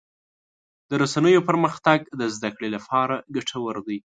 د رسنیو پرمختګ د زدهکړې لپاره ګټور دی.